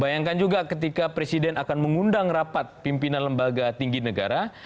bayangkan juga ketika presiden akan mengundang rapat pimpinan lembaga tinggi negara